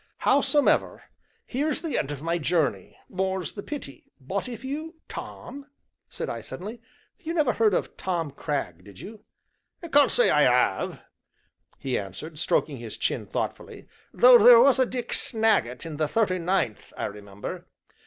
Howsomever, here's the end o' my journey, more's the pity, but if you " "Tom," said I suddenly, "you never heard of Tom Cragg, did you?" "Can't say as I have," he answered, stroking his chin thoughtfully, "though there was a Dick Snagget in the 'Thirty Ninth,' I remember."